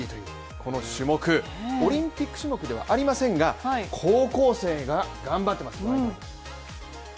この種目オリンピック種目ではありませんが、高校生が頑張ってます。